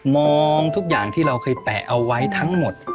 มองทุกอย่างที่เราเคยแปะเอาไว้ทั้งหมด